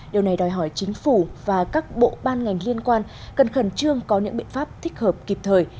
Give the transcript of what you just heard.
điều này đòi hỏi chính phủ và các bộ ban ngành liên quan cần khẩn trương có những biện pháp thích hợp kịp thời